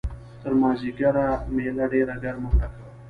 تر مازیګره مېله ډېره ګرمه او ډکه وه.